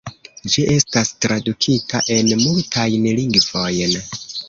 Ĝi estas tradukita en multajn lingvojn.